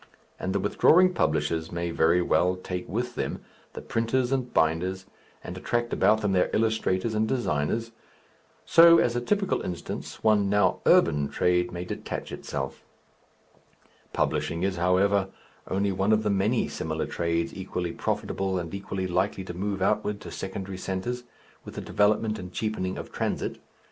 And the withdrawing publishers may very well take with them the printers and binders, and attract about them their illustrators and designers.... So, as a typical instance, one now urban trade may detach itself. Publishing is, however, only one of the many similar trades equally profitable and equally likely to move outward to secondary centres, with the development and cheapening of transit.